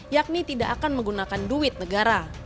yakni tidak akan menggunakan duit negara